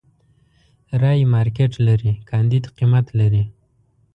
رايې مارکېټ لري، کانديد قيمت لري.